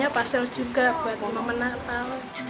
terus ada parsel juga buat momen natal